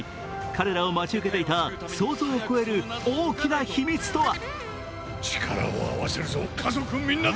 彼らを待ち受けていた想像を超える大きな秘密とは。